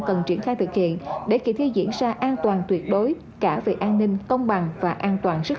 cần triển khai thực hiện để kỳ thi diễn ra an toàn tuyệt đối cả về an ninh công bằng và an toàn sức